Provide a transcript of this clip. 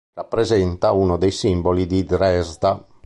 Rappresenta uno dei simboli di Dresda.